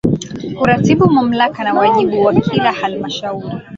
Kuratibu Mamlaka na wajibu wa kila Halmashauri